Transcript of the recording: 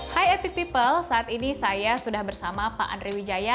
hai epic people saat ini saya sudah bersama pak andre wijaya